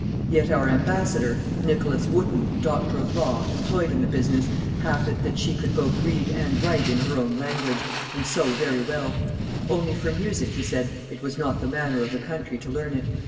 Yet our embassador, Nicholas Wotton doctor of law, employed in the business, hath it, that she could both read and write in her own language, and sew very well; only for music, he said, it was not the manner of the country to learn it."